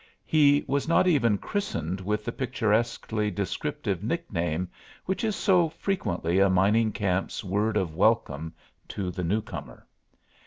He was not even christened with the picturesquely descriptive nick name which is so frequently a mining camp's word of welcome to the newcomer.